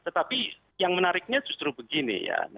tetapi yang menariknya justru begini ya